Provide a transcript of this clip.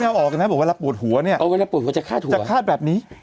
ไม่เอาออกนะบอกว่าเวลาปวดหัวเนี้ยอ๋อเวลาปวดหัวจะฆ่าหัวจะฆ่าแบบนี้